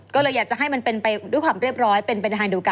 ก็เลยอยากจะให้มันเป็นไปด้วยความเรียบร้อยเป็นทางเดียวกัน